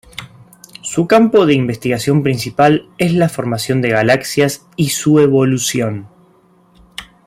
Su campo de investigación principal es la formación de galaxias y su evolución.